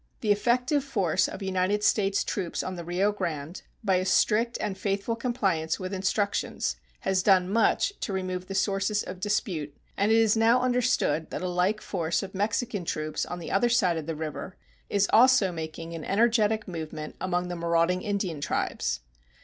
The effective force of United States troops on the Rio Grande, by a strict and faithful compliance with instructions, has done much to remove the sources of dispute, and it is now understood that a like force of Mexican troops on the other side of the river is also making an energetic movement against the marauding Indian tribes.